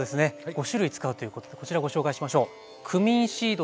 ５種類使うということでこちらご紹介しましょう。